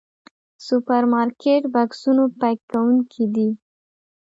سوپرمارکېټ بکسونو پيک کوونکي دي.